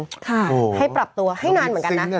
พบอแถมไก่ให้ปรับตัวให้นานเหมือนกันนะ